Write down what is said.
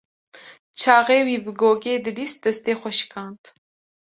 Çaxê wî bi gogê dilîst, destê xwe şikand.